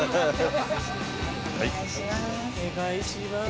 お願いします。